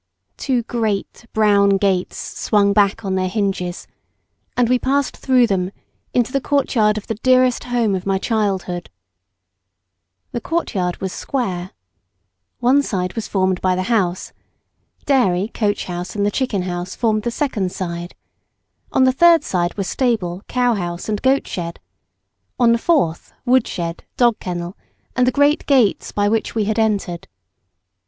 Two great brown. gates swung back on their hinges and we passed through them into the courtyard of the dearest home of my childhood. The courtyard was square. One side was formed by the house; dairy, coach house. and the chicken house formed the second side; on the third were stable, cow house and goat shed; on the fourth wood shed, dogkennel, and the great gates by which we had entered.